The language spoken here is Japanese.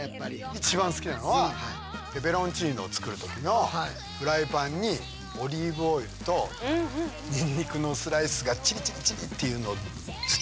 一番好きなのはペペロンチーノを作る時のフライパンにオリーブオイルとニンニクのスライスがチリチリチリッていうのをうまそう。